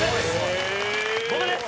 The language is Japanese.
僕です！